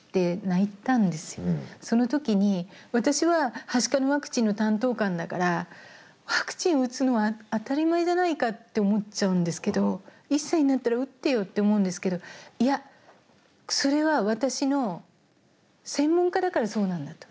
その時に私ははしかのワクチンの担当官だからワクチン打つのは当たり前じゃないかって思っちゃうんですけど１歳になったら打ってよって思うんですけどいやそれは私の専門家だからそうなんだと。